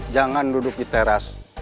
jangan duduk di teras